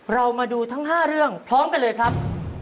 เรามาดูทั้ง๕เรื่องพร้อมกันเลยครับ